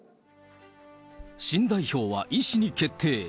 新代表はイ氏に決定。